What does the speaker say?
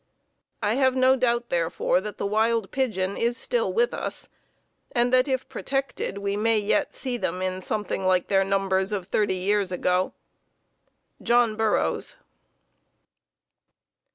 I have no doubt, therefore, that the wild pigeon is still with us, and that if protected we may yet see them in something like their numbers of thirty years ago. John Burroughs.